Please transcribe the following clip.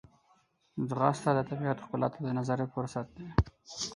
ځغاسته د طبیعت ښکلا ته د نظر فرصت دی